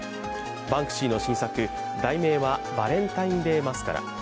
バンクシーの新作、題名はバレンタインデー・マスカラ。